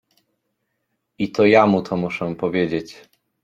I to ja mu to muszę powiedzieć.